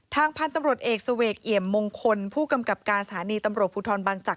ทางพันธุ์ตำรวจเอกเสวกเอี่ยมมงคลผู้กำกับการสถานีตำรวจภูทรบางจักร